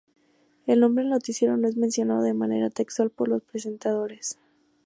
El nombre del noticiero no es mencionado de manera textual por los presentadores.